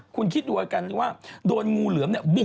คุณคิดดูอาการว่าโดนงูเหลือมเนี่ย